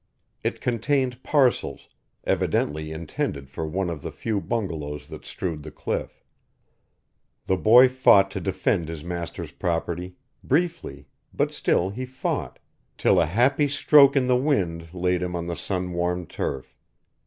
It contained parcels, evidently intended for one of the few bungalows that strewed the cliff. The boy fought to defend his master's property, briefly, but still he fought, till a happy stroke in the wind laid him on the sun warmed turf.